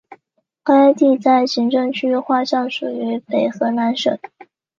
该地在行政区划上属于北荷兰省。